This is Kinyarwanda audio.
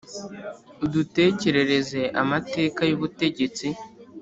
Udutekerereze amateka y'ubutegetsi